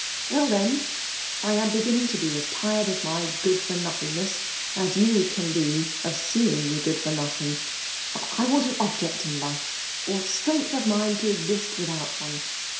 *^ Well, iheik, I am beginning to be as tired of my good for nothingness as you can be of seeing me good for nothing — I want an object in life, or strength of mind to exist without one.